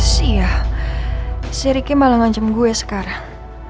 siah si riki malah ngajem gue sekarang